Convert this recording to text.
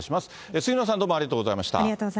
杉野さん、ありがとうございました。